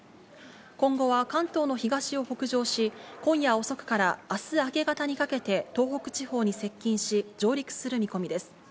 今後は関東の東を北上し、今夜遅くから明日明け方にかけて東北地方に接近し上陸する見込みです。